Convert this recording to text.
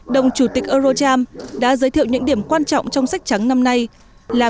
đồng chủ tịch eurocharm đã giới thiệu những điểm quan trọng trong sách trắng năm nay là